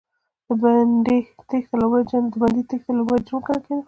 د بندي تېښته لوی جرم ګڼل کېده.